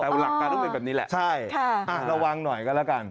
แต่หลักตาทุกคนแบบนี้แหละค่ะระวังหน่อยกันแล้วกัน